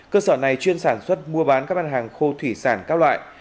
cơ sở này chuyên sản xuất mua bán các mặt hàng khô thủy sản các loại